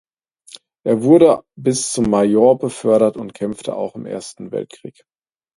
Er wurde bis zum Major befördert und kämpfte auch im Ersten Weltkrieg.